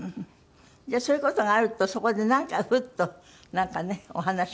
じゃあそういう事があるとそこでなんかフッとなんかねお話ができるのは。